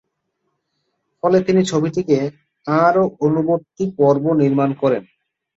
ফলে তিনি ছবিটির আরও অনুবর্তী পর্ব নির্মাণ করে।